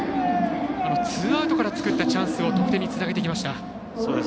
ツーアウトから作ったチャンスを得点につなげてきました。